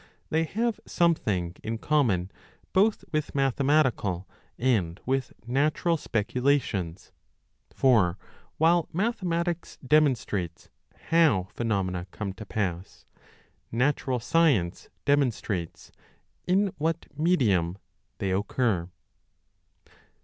They have something in common both with Mathematical and with Natural Speculations ; for while Mathematics demonstrates how phenomena come to pass ; Natural Science demonstrates in what medium they occur.